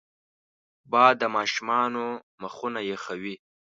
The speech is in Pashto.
باد د ماشومانو مخونه یخوي